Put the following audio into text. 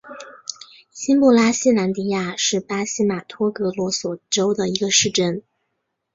新布拉西兰迪亚是巴西马托格罗索州的一个市镇。